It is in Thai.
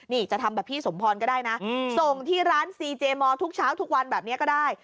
นี่จะทำแบบพี่สมพรก็ได้นะส่งที่ร้านซีเจมอร์ทุกเช้าทุกวันแบบนี้ก็ได้